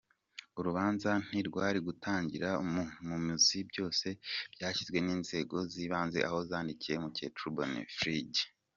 Urubanza ntirwari gutangirira mu bunzi byose byishwe n’inzego zibanze aho zandikiye mukecuru Bonifride